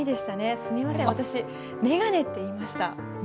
すみません、私、眼鏡って言いました。